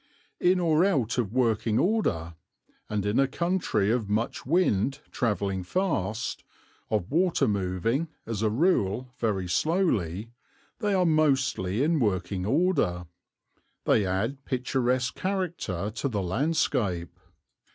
In or out of working order and in a country of much wind travelling fast, of water moving, as a rule, very slowly, they are mostly in working order they add picturesque character to the landscape.